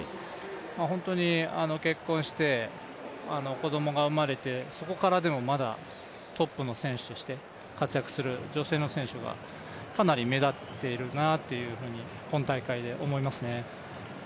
本当に結婚して、子供が生まれて、そこからでも、まだトップの選手として活躍する女性の選手がかなり目立っているなというふうに今大会で思いますね。